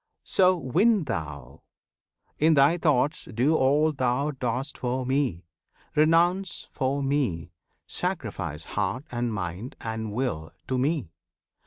So win thou! In thy thoughts Do all thou dost for Me! Renounce for Me! Sacrifice heart and mind and will to Me!